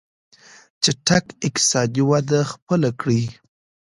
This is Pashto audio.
چټکه اقتصادي وده خپله کړي.